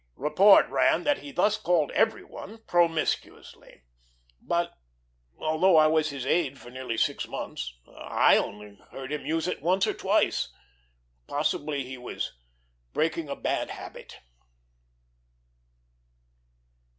Report ran that he thus called every one, promiscuously; but, although I was his aide for nearly six months, I only heard him use it once or twice. Possibly he was breaking a bad habit.